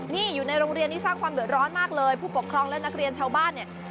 นี่อยู่ในโรงเรียนนี้สร้างความเดือดร้อนมากเลยผู้ปกครองและนักเรียนชาวบ้านเนี่ย